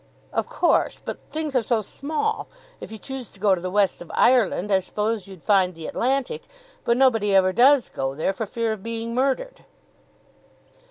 "Of course; but things are so small. If you choose to go to the west of Ireland, I suppose you'd find the Atlantic. But nobody ever does go there for fear of being murdered."